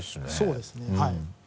そうですねはい。